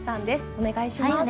お願いします。